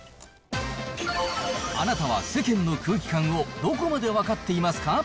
あなたは世間の空気感をどこまで分かっていますか？